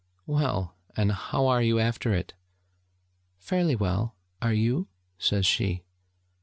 'Well, and how are you after it?' 'Fairly well. Are you?' says she.